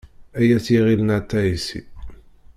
Ay At yiɣil n At Ɛissi.